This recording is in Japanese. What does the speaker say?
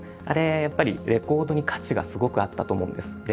あれやっぱりレコードに価値がすごくあったと思うんです。